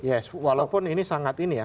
yes walaupun ini sangat ini ya